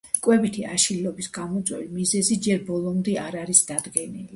კვებითი აშლილობების გამომწვევი მიზეზები ჯერ ბოლომდე არ არის დადგენილი.